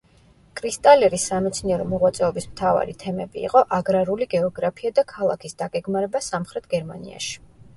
კრისტალერის სამეცნიერო მოღვაწეობის მთავარი თემები იყო აგრარული გეოგრაფია და ქალაქის დაგეგმარება სამხრეთ გერმანიაში.